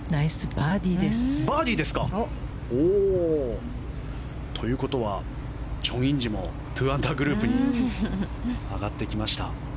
バーディーですか？ということはチョン・インジも２アンダーグループに上がってきました。